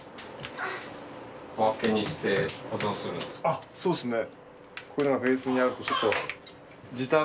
あっそうですね。